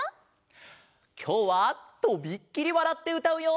きょうはとびっきりわらってうたうよ！